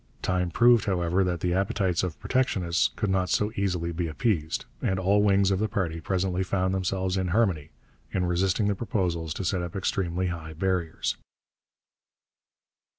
Time proved, however, that the appetites of protectionists could not so easily be appeased; and all wings of the party presently found themselves in harmony, in resisting the proposals to set up extremely high barriers.